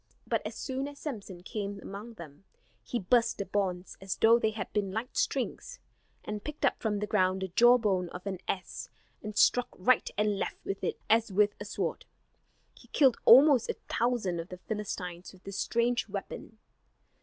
But as soon as Samson came among them, he burst the bonds as though they had been light strings; and picked up from the ground the jawbone of an ass, and struck right and left with it as with a sword. He killed almost a thousand of the Philistines with this strange weapon.